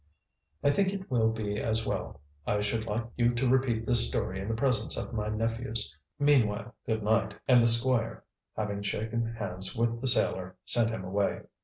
"I think it will be as well. I should like you to repeat this story in the presence of my nephews. Meanwhile, good night," and the Squire, having shaken hands with the sailor, sent him away.